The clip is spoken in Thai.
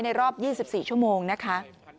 รอบ๒๔ชั่วโมงนะคะ